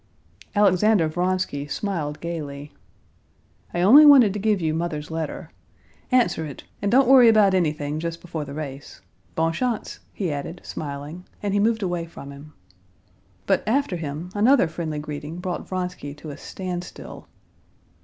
Alexander Vronsky smiled gaily. "I only wanted to give you Mother's letter. Answer it, and don't worry about anything just before the race. Bonne chance," he added, smiling and he moved away from him. But after him another friendly greeting brought Vronsky to a standstill.